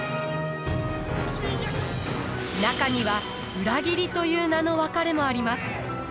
中には裏切りという名の別れもあります。